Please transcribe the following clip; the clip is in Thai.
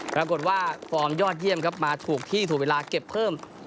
ปรากฏว่าฟอร์มยอดเยี่ยมครับมาถูกที่ถูกเวลาเก็บเพิ่ม